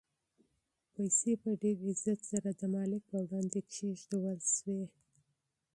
پیسې په ډېر عزت سره د مالک په وړاندې کېښودل شوې.